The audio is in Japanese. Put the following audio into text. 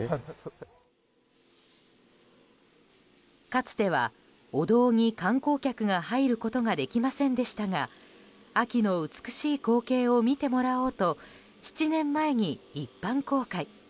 かつてはお堂に観光客が入ることができませんでしたが秋の美しい光景を見てもらおうと７年前に一般公開。